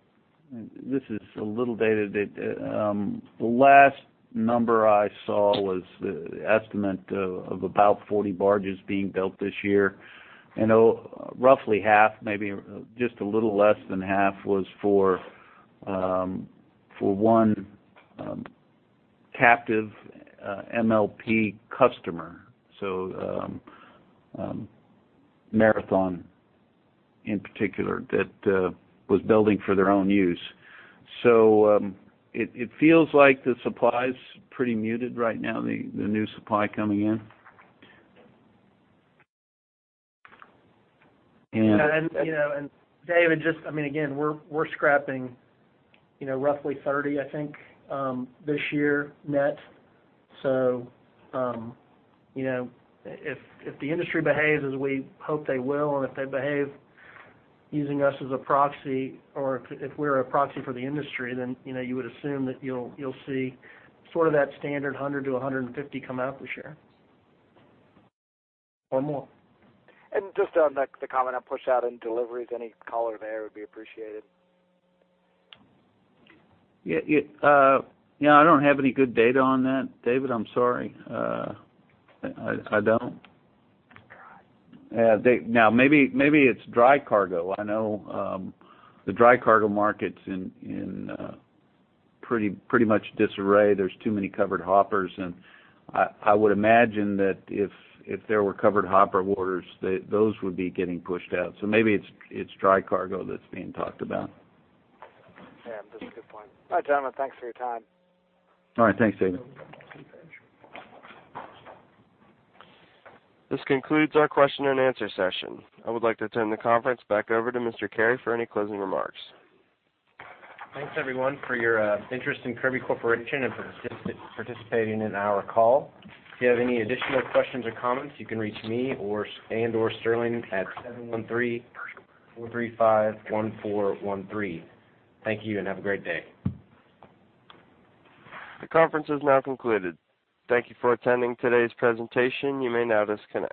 S4: this is a little dated. The last number I saw was the estimate of about 40 barges being built this year. And, roughly half, maybe just a little less than half, was for one captive MLP customer, so, Marathon, in particular, that was building for their own use. So, it feels like the supply is pretty muted right now, the new supply coming in. And-
S5: You know, and, David, just... I mean, again, we're scrapping, you know, roughly 30, I think, this year, net. So, you know, if the industry behaves as we hope they will, and if they behave using us as a proxy or if we're a proxy for the industry, then, you know, you would assume that you'll see sort of that standard 100-150 come out this year or more.
S14: Just on the comment on pushout and deliveries, any color there would be appreciated.
S4: Yeah, yeah. You know, I don't have any good data on that, David. I'm sorry. I don't. Now, maybe it's dry cargo. I know the dry cargo market's in pretty much disarray. There's too many covered hoppers, and I would imagine that if there were covered hopper orders, that those would be getting pushed out. So maybe it's dry cargo that's being talked about.
S14: Yeah, that's a good point. All right, gentlemen, thanks for your time.
S4: All right. Thanks, David.
S1: This concludes our question-and-answer session. I would like to turn the conference back over to Mr. Carey for any closing remarks.
S2: Thanks, everyone, for your interest in Kirby Corporation and for participating in our call. If you have any additional questions or comments, you can reach me or Sterling at 713-435-1413. Thank you, and have a great day.
S1: The conference is now concluded. Thank you for attending today's presentation. You may now disconnect.